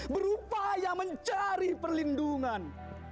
berupaya mencari perlindungan